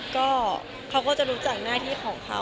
ก็เขาก็จะรู้จักหน้าที่ของเขา